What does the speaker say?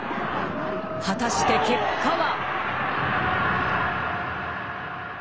果たして結果は。